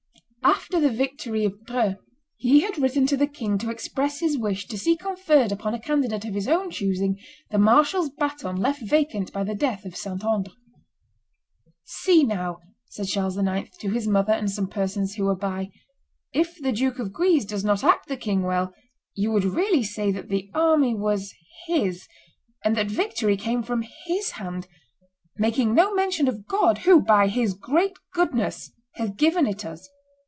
After the victory of Dreux he had written to the king to express his wish to see conferred upon a candidate of his own choosing the marshal's baton left vacant by the death of Saint Andre. "See now," said Charles IX. to his mother and some persons who were by, "if the Duke of Guise does not act the king well; you would really say that the army was his, and that victory came from his hand, making no mention of God, who, by His great goodness, hath given it us.